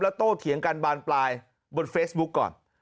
โตเถียงกันบานปลายบนเฟซบุ๊กก่อน